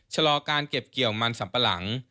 ชะลอการเก็บเกี่ยวมันสัมปะหลัง